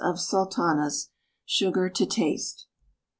of sultanas, sugar to taste.